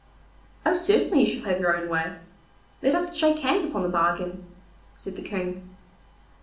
'Oh certainly, you shall have your own way; let us shake hands upon the bargain,' said the King.